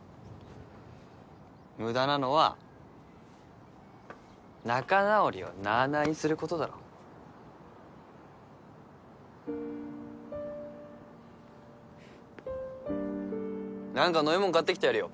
無駄なのは仲直りをなあなあにすることだろなんか飲みもん買ってきてやるよ